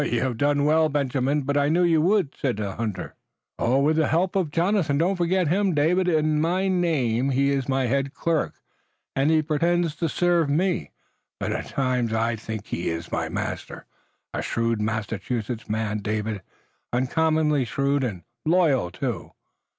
"You have done well, Benjamin, but I knew you would," said the hunter. "With the help of Jonathan. Don't forget him, David. In name he is my head clerk, and he pretends to serve me, but at times I think he is my master. A shrewd Massachusetts man, David, uncommonly shrewd, and loyal too."